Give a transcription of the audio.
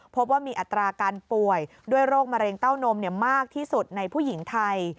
พบว่ามีอัตราการป่วยด้วยโรคมะเร็งเต้านมมากที่สุดในผู้หญิงไทย